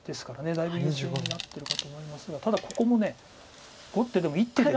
だいぶ優勢になってるかと思いますがただここも碁ってでも１手で。